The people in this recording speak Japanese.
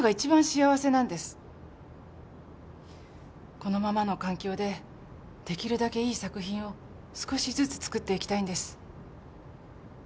このままの環境でできるだけいい作品を少しずつ作っていきたいんです